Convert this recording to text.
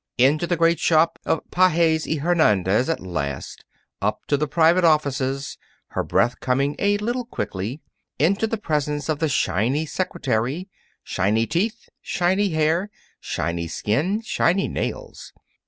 Into the great shop of Pages y Hernandez at last, up to the private offices, her breath coming a little quickly, into the presence of the shiny secretary shiny teeth, shiny hair, shiny skin, shiny nails.